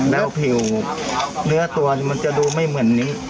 แล้วผิวเนื้อตัวมันจะดูไม่เหมือนนี้